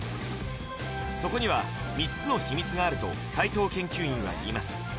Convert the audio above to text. そこには３つの秘密があると斉藤研究員はいいます